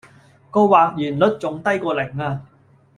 個或然率仲低過零呀.